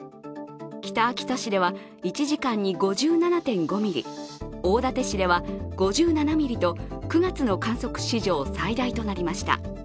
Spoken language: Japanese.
北秋田市では１時間に５７．５ミリ、大館市では５７ミリと９月の観測史上最大となりました。